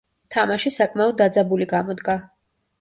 თამაში საკმაოდ დაძაბული გამოდგა.